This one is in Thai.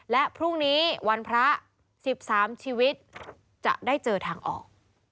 และพรุ่งนี้วันพระ๑๓ชีวิตจะได้เจอทางออก